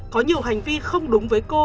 có nhiều hành vi không đúng với cô